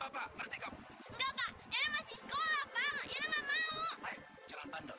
bagi aku deh